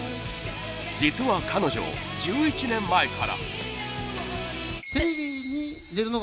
実は彼女１１年前から。